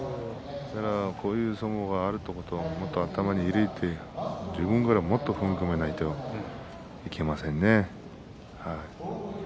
こういう相撲があるということを頭に入れて自分からもっと踏み込まないといけませんね。